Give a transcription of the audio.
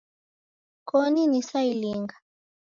Koni nisailinga